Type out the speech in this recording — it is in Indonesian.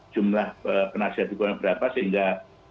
jumlah penasihat hukumnya berapa sehingga